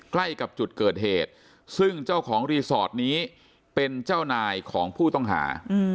ใกล้กับจุดเกิดเหตุซึ่งเจ้าของรีสอร์ทนี้เป็นเจ้านายของผู้ต้องหา